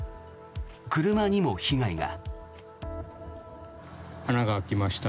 車にも被害が。